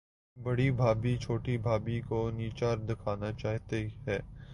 بڑی بھابھی، چھوٹی بھابھی کو نیچا دکھانا چاہتی ہے۔